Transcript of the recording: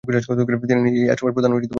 তিনি নিজেই এই আশ্রমের প্রধান পৃষ্ঠপোষক ছিলেন।